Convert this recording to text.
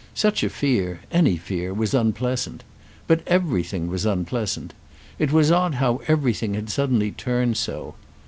Such a fear, any fear, was unpleasant. But everything was unpleasant; it was odd how everything had suddenly turned so.